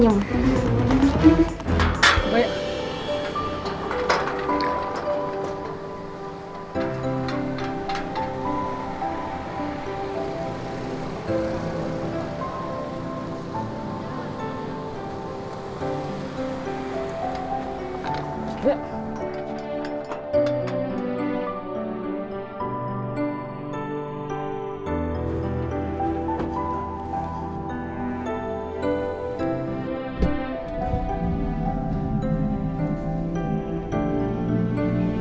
nah gitu cakup senyum